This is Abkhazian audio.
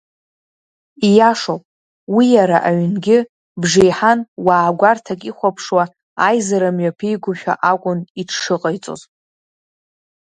Ииашоуп, уи иара аҩнгьы, бжеиҳан уаа гәарҭак ихәаԥшуа аизара мҩаԥигошәа акәын иҽшыҟаиҵоз…